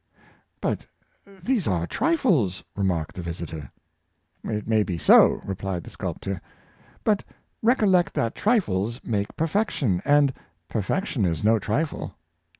" But these are trifles," remarked the visitor. " It may be so,'' replied the sculptor, "but recollect that trifles make perfection, and perfection is no trifle."